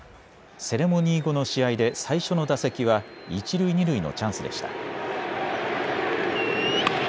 セレモニー後の試合で最初の打席は一塁二塁のチャンスでした。